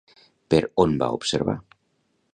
Per on va observar?